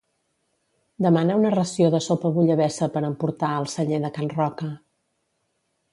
Demana una ració de sopa bullabessa per emportar al Celler de Can Roca.